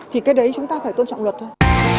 thì cái đấy chúng ta phải tôn trọng luật thôi